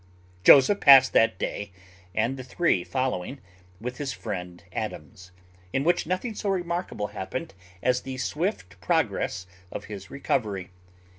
Joseph passed that day, and the three following, with his friend Adams, in which nothing so remarkable happened as the swift progress of his recovery.